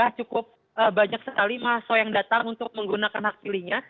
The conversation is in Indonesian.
dan juga cukup banyak sekali maso yang datang untuk menggunakan hak pilihnya